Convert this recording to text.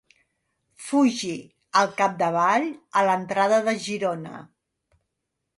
Fugi, al capdavall, a l'entrada de Girona.